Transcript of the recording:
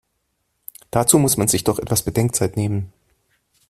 Dazu muss man sich doch etwas Bedenkzeit nehmen!